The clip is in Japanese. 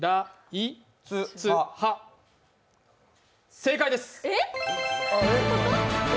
正解です。